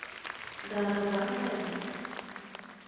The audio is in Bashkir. — Дары бармы әле?